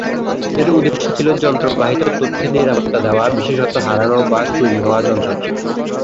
এর উদ্দেশ্য ছিল যন্ত্র-বাহিত তথ্যের নিরাপত্তা দেয়া, বিশেষত হারানো বা চুরি হওয়া যন্ত্রের।